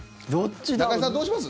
中居さん、どうします？